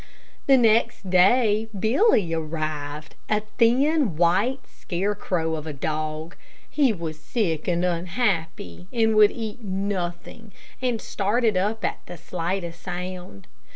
The next day Billy arrived, a thin, white scarecrow of a dog. He was sick and unhappy, and would eat nothing, and started up at the slightest sound.